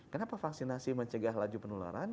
kenapa vaksinasi mencegah laju penularan